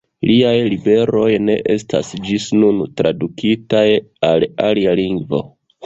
Liaj libroj ne estas ĝis nun tradukitaj al alia lingvo.